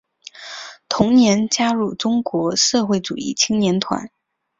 同年加入中国社会主义青年团。